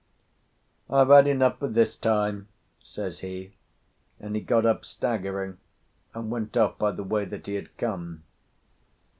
"I've had enough for this time," says he, and he got up staggering, and went off by the way that he had come.